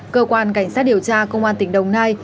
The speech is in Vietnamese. cơ quan cảnh sát điều tra công an tỉnh đồng nai